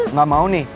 nggak mau nih